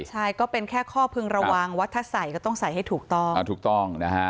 ใช่ก็เป็นแค่ข้อพึงระวังว่าถ้าใส่ก็ต้องใส่ให้ถูกต้อง